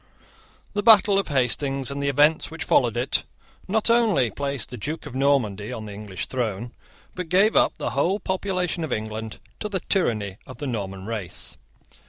The battle of Hastings, and the events which followed it, not only placed a Duke of Normandy on the English throne, but gave up the whole population of England to the tyranny of the Norman race.